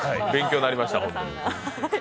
勉強になりました。